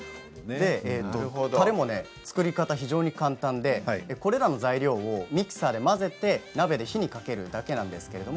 作り方は非常に簡単でこれらの材料をミキサーで混ぜて鍋で火にかけるだけです。